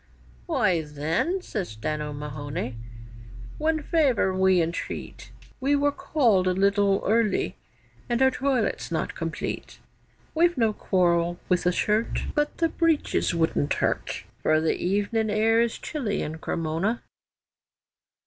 'Why, then,' says Dan O'Mahony, 'one favour we entreat, We were called a little early, and our toilet's not complete. We've no quarrel with the shirt, But the breeches wouldn't hurt, For the evening air is chilly in Cremona.